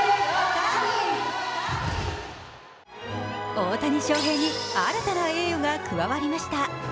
大谷翔平に新たな栄誉が加わりました。